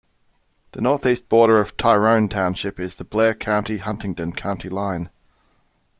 The northeast border of Tyrone Township is the Blair County-Huntingdon County line.